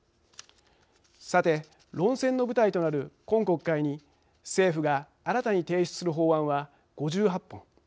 さて、論戦の舞台となる今国会に政府が新たに提出する法案は５８本。